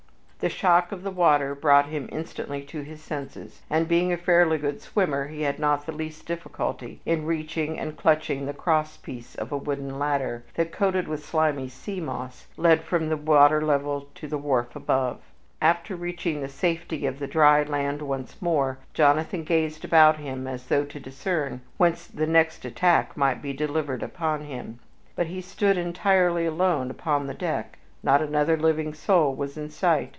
The shock of the water brought him instantly to his senses, and, being a fairly good swimmer, he had not the least difficulty in reaching and clutching the crosspiece of a wooden ladder that, coated with slimy sea moss, led from the water level to the wharf above. After reaching the safety of the dry land once more, Jonathan gazed about him as though to discern whence the next attack might be delivered upon him. But he stood entirely alone upon the dock not another living soul was in sight.